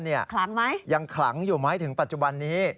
คลังไหมยังขลังอยู่ไหมถึงปัจจุบันนี้